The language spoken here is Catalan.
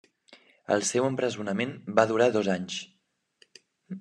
El seu empresonament va durar dos anys.